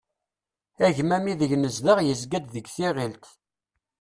Agmam ideg nezdeɣ yezgan-d deg tiɣilt.